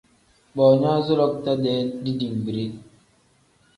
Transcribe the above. Boonyoozi lakuta-dee dibimbide.